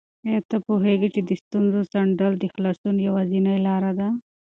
آیا ته پوهېږې چې د ستونزو څنډل د خلاصون یوازینۍ لاره ده؟